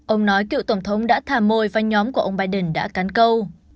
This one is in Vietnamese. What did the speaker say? ông nói cựu tổng thống đã thả mồi và nhóm của ông biden đã cán câu